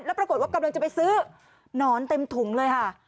แล้วปรากฏว่ากำลังจะไปซื้อหนอนเต็มถุงเลยค่ะ